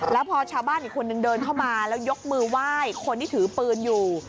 แล้วพอชาวบ้านอีกคนนึงเดินเข้ามาแล้วยกมือไหว้คนที่ถือปืนอยู่